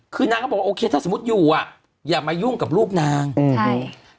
คือนางก็บอกว่าโอเคถ้าสมมุติอยู่อ่ะอย่ามายุ่งกับลูกนางอืมใช่